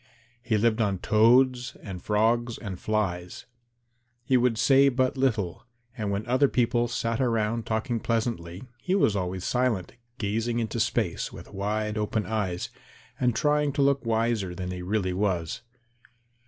He lived on toads and frogs and flies. He would say but little, and when other people sat around him talking pleasantly, he was always silent, gazing into space with wide open eyes, and trying to look wiser than he really was.